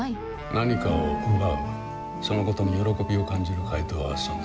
何かを奪うそのことに喜びを感じる怪盗は存在する。